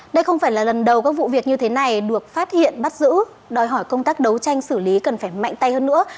đây không phải là lần đầu các vụ việc như thế này được phát hiện bắt giữ đòi hỏi công tác đấu tranh xử lý cần phải mạnh tay hơn nữa